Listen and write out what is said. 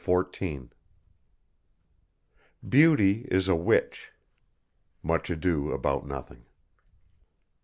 CHAPTER XIV "Beauty is a witch " MUCH ADO ABOUT NOTHING.